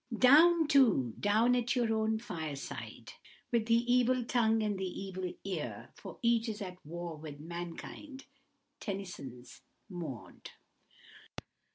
"Down too, down at your own fireside, With the evil tongue and the evil ear, For each is at war with mankind." TENNYSON'S Maud.